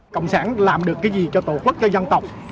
cộng sản làm được cái gì cho tổ quốc cho dân tộc